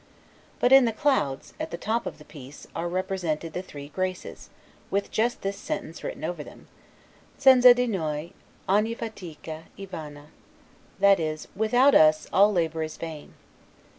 But in the clouds, at the top of the piece, are represented the three Graces, with this just sentence written over them, 'Senza di noi ogni fatica e vana', that is, "Without us, all labor is vain."